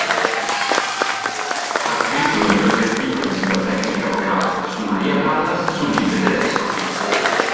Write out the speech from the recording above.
Ha scritto numerosi articoli sulla tecnica vocale, su Maria Callas, sul Lied tedesco.